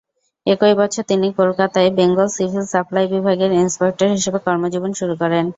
একই বছর তিনি কলকাতায় বেঙ্গল সিভিল সাপ্লাই বিভাগের ইন্সপেক্টর হিসেবে কর্মজীবন শুরু করেন।